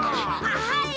はい！